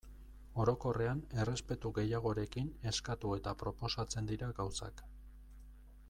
Orokorrean errespetu gehiagorekin eskatu eta proposatzen dira gauzak.